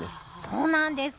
そうなんです！